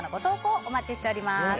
お待ちしております。